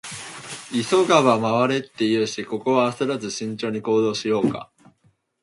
「急がば回れ」って言うし、ここは焦らず慎重に行動しようか。